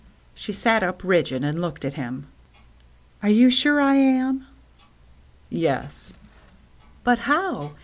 She sat up, rigid, and looked at him. " Arc you sure I am ?" "Yes." " But how